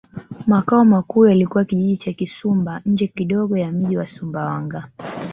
Makao makuu yalikuwa Kijiji cha Kisumba nje kidogo ya mji wa Sumbawanga